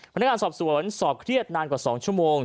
พนักงานสอบสวนสอบเครียดนานกว่า๒ชั่วโมง